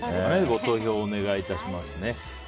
ご投票お願いいたします。